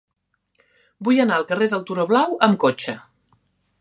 Vull anar al carrer del Turó Blau amb cotxe.